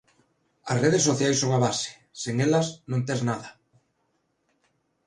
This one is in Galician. As redes sociais son a base, sen elas non tes nada.